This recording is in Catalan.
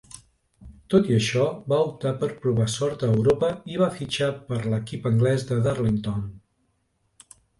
Tot i això, va optar per provar sort a Europa i va fitxar per l'equip anglès de Darlington.